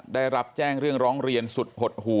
ได้รับแจ้งเรื่องร้องเรียนสุดหดหู่